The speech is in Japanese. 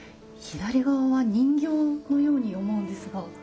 左側は人形のように思うんですが。